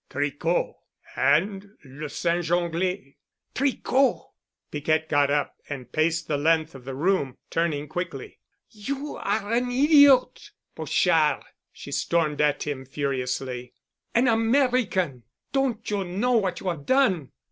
"Tricot and Le Singe Anglais." "Tricot!" Piquette got up and paced the length of the room, turning quickly. "You are an idiot, Pochard," she stormed at him furiously. "An American! Don't you know what you have done?